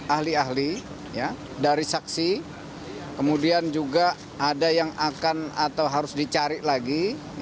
ahli ahli dari saksi kemudian juga ada yang akan atau harus dicari lagi